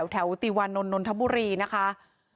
แถวติวานนนนทบุรีค่ะ